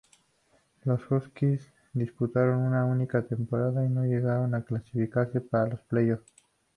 Los Huskies disputaron una única temporada y no llegaron a clasificarse para los playoffs.